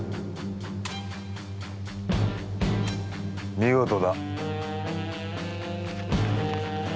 見事だ。